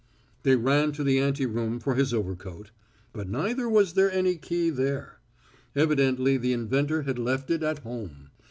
They ran to the ante room for his overcoat. But neither was there any key there. Evidently the inventor had left it at home.